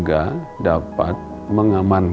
yang disampaikan oleh pemerintah